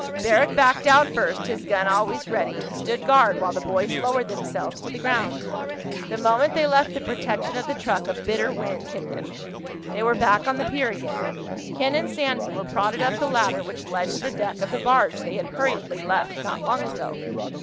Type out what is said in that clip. Barrack backed out first, his gun always ready, and stood guard while the boys lowered themselves to the ground. The moment they left the protection of the truck a bitter wind hit them. They were back on the pier again. Ken and Sandy were prodded up the ladder which led to the deck of the barge they had hurriedly left not long ago.